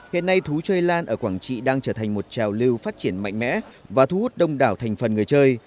hiện nay thú chơi lan ở quảng trị đang trở thành một trào lưu phát triển mạnh mẽ và thu hút đông đảo thành phần người chơi